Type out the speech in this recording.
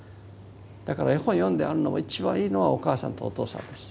だから絵本読んでやるのも一番いいのはお母さんとお父さんです。